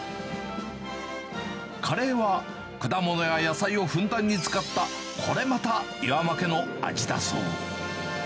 カレーは果物や野菜をふんだんに使った、これまた岩間家の味だそう。